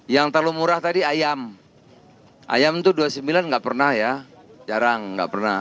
yang terlalu murah tadi ayam ayam itu dua puluh sembilan nggak pernah ya jarang nggak pernah